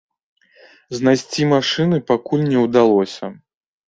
Знайсці машыны пакуль не ўдалося.